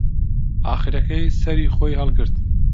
ئاخرەکەی سەری خۆی هەڵگرت